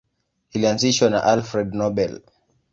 Ilianzishwa na Alfred Nobel.